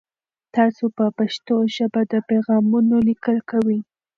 تاسو په پښتو ژبه د پیغامونو لیکل کوئ؟